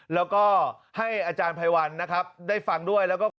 แล้วก็ให้อาจารย์ภัยวัลนะครับได้ฟังด้วย